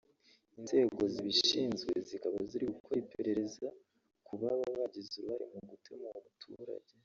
inzego zibishinzwe zikaba ziri gukora iperereza ku baba bagize uruhare mu gutema uwo muturage